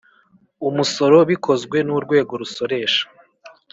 umusoro bikozwe n urwego rusoresha